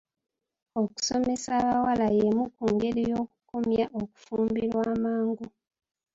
Okusomesa abawala y'emu ku ngeri y'okukomya okufumbirwa amangu.